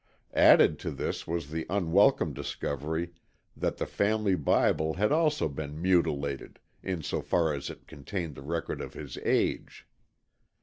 Added to this was the unwelcome discovery that the family Bible had also been mutilated in so far as it contained the record of his age.